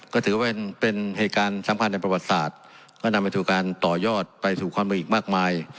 ก็ถือว่าเป็นเหตุการณ์สำคัญในประวัติศาสตร์ก็นำไปสู่การต่อยอดไปสู่ความเป็นอีกมากมาย